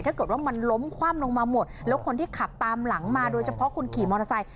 ถ้าเกิดว่ามันล้มคว่ำลงมาหมดแล้วคนที่ขับตามหลังมาโดยเฉพาะคนขี่มอเตอร์ไซค